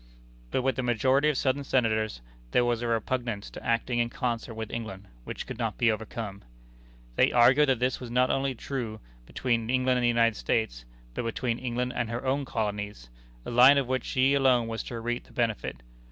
But with the majority of Southern Senators, there was a repugnance to acting in concert with England, which could not be overcome. They argued that this was not truly a line between England and the United States, but between England and her own colonies a line of which she alone was to reap the benefit.